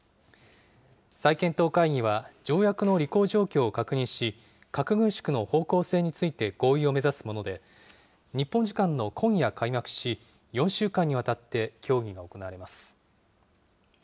再検討会議は条約の履行状況を確認し、核軍縮の方向性について合意を目指すもので、日本時間の今夜開幕し、４週間にわたって協議が行われます。